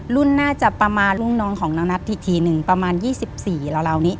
น่าจะประมาณรุ่นน้องของน้องนัทอีกทีหนึ่งประมาณ๒๔ราวนี้